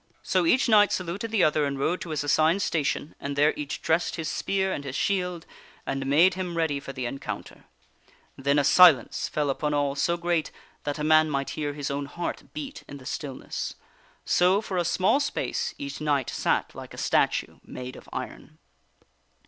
So each knight saluted the other and rode to his assigned station, and there each dressed his spear and his shield, and made him ready for the King Arthur encounter. Then a silence fell upon all so great that a man overthrows Duke might hear his own heart beat in the stillness. So, for a small space, each knight sat like a statue made of iron.